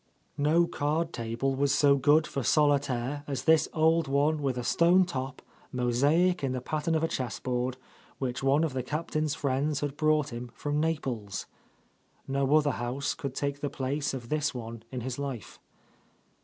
No card table was so good for solitaire as this old one with a stone top, mosaic in the pattern of a chess board, which one of the Captain's friends had brought him from Naples. No other house could take the place of this one in his life.